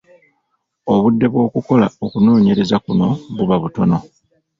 Obudde bw’okukola okunoonyereza kuno buba butono.